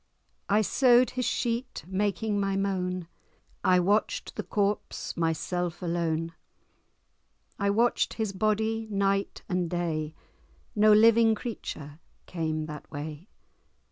I sew'd his sheet, making my moan; I watch'd the corpse, myself alone; I watch'd his body, night and day; No living creature came that way.